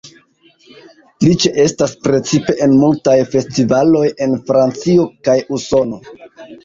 Li ĉeestas precipe en multaj festivaloj en Francio kaj Usono.